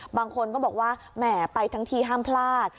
บางคนก็บอกว่าแหมไปทั้งทีห้ามพลาด